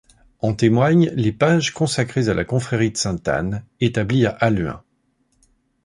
En témoignent les pages consacrées à la confrérie de sainte Anne, établie à Halluin.